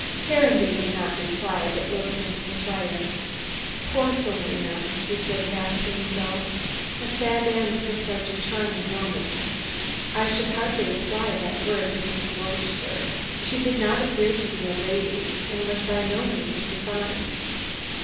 Caranby did not reply, but looked into the fire. "Poor Selina!" he said half to himself. "A sad end for such a charming woman." "I should hardly apply that word to Miss Loach, sir. She did not appear to be a lady, and was by no means refined."